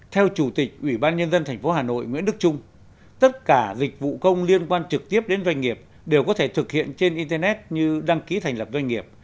theo chủ tịch ủy ban nhân dân tp hà nội nguyễn đức trung tất cả dịch vụ công liên quan trực tiếp đến doanh nghiệp đều có thể thực hiện trên internet như đăng ký thành lập doanh nghiệp